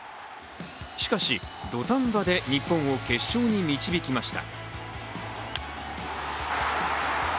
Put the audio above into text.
しかし、土壇場で日本を決勝に導きました。